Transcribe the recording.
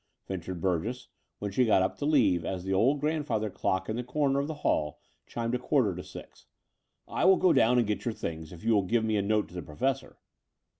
ventured Burgess, when she got up to leave, as the old grandfather clock in the comer of the hall chimed a quarter to six. " I will go down and get your things, if you will give me a note to the Professor."